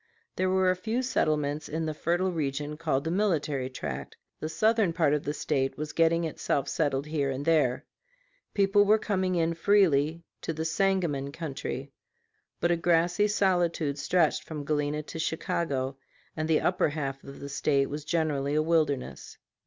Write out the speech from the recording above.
There were a few settlements in the fertile region called the Military Tract; the southern part of the State was getting itself settled here and there. People were coming in freely to the Sangamon country. But a grassy solitude stretched from Galena to Chicago, and the upper half of the State was generally a wilderness.